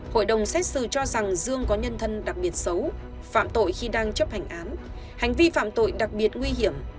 hội đồng xét xử cho rằng dương có nhân thân đặc biệt xấu phạm tội khi đang chấp hành án hành vi phạm tội đặc biệt nguy hiểm